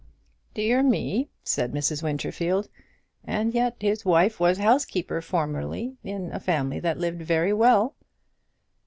"Dear me!" said Mrs. Winterfield. "And yet his wife was housekeeper formerly in a family that lived very well!"